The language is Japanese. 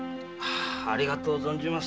ありがとう存じます。